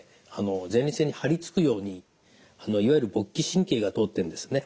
前立腺に張り付くようにいわゆる勃起神経が通ってるんですね。